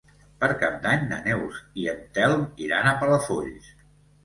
Per Cap d'Any na Neus i en Telm iran a Palafolls.